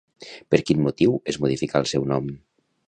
Per quin motiu es modificà el seu nom?